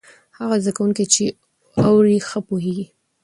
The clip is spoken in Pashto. هغه زده کوونکی چې اوري، ښه پوهېږي.